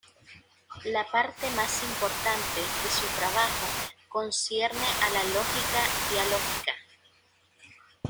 La parte más importante de su trabajo concierne a la lógica dialógica.